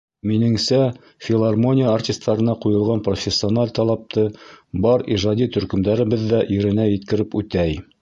Минеңсә, филармония артистарына ҡуйылған профессиональ талапты бар ижади төркөмдәребеҙ ҙә еренә еткереп үтәй.